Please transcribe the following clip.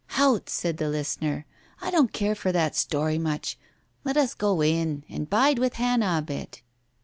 "Hout !" said the listener, "I don't care for that story much. Let us go in, and bide with Hannah a bit."